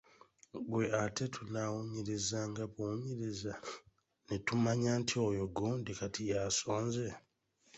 Ggwe ate tunaawunyirizanga buwunyiriza ne tumanya nti oyo gundi kati yasonze?